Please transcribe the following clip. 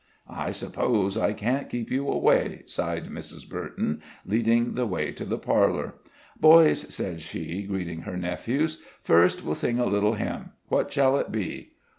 "I suppose I can't keep you away," sighed Mrs. Burton, leading the way to the parlor. "Boys," said she, greeting her nephews, "first, we'll sing a little hymn; what shall it be?"